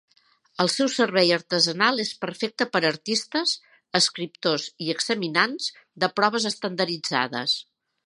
El seu servei artesanal és perfecte per artistes, escriptors i examinats de proves estandarditzades.